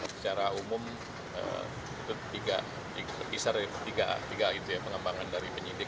secara umum itu tiga berpisar tiga tiga itu ya pengembangan dari penyidik